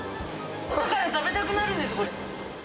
朝から食べたくなるんです、これ。